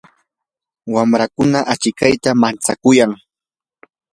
wamrakuna achikayta manchakuyan.